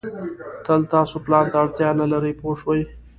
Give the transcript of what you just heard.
تل تاسو پلان ته اړتیا نه لرئ پوه شوې!.